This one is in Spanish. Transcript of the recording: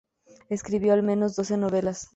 Escribió al menos doce novelas.